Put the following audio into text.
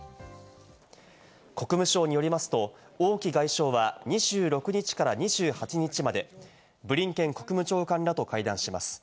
国務省によりますと、オウ・キ外相は２６日から２８日までブリンケン国務長官らと会談します。